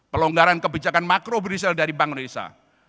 pelonggaran kebijakan makro berisil dari bank indonesia